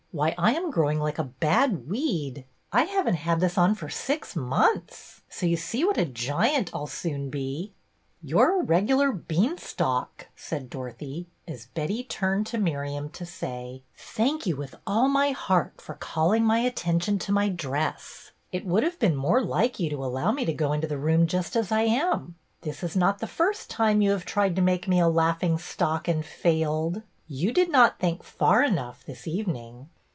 "Why, I am growing like a bad weed. I have n't had this on for six months, so you see what a giant I 'll soon be." " You 're a regular beanstalk," said Dor othy, as Betty turned to Miriam to say, — THE CLASS ELECTION 253 " Thank you with all my heart for calling my attention to my dress. It would have been more like you to allow me to go into the room just as I am. This is not the first time you have tried to make me a laughing stock and failed. You did not think far enough this evening."